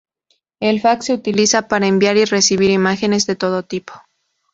El fax se utiliza para enviar y recibir imágenes de todo tipo.